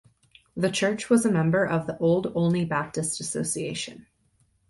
The church was a member of the old Olney Baptist Association.